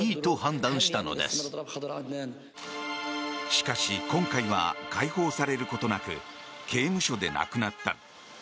しかし今回は解放されることなく刑務所で亡くなった。